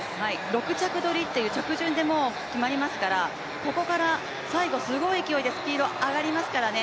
６着取りという着順で決まりますからここから最後すごい勢いでスピード上がりますからね